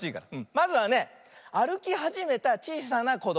まずはねあるきはじめたちいさなこども。